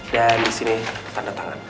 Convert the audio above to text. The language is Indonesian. dan disini tanda tangan